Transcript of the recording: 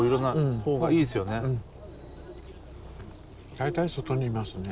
大体外にいますね。